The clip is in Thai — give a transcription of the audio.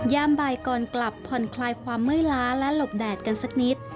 ยามบ่ายก่อนกลับผ่อนคลายความเมื่อยล้าและหลบแดดกันสักนิด